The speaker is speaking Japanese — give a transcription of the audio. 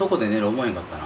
思えへんかったな。